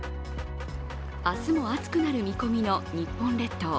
明日も暑くなる見込みの日本列島。